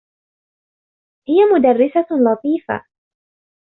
هي مدرّسة لطيفة.